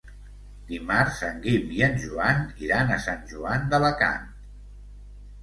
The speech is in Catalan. Dimarts en Guim i en Joan iran a Sant Joan d'Alacant.